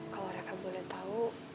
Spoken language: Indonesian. kalau reva boleh tahu